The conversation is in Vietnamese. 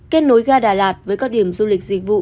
kết nối ga đà lạt với các điểm du lịch dịch vụ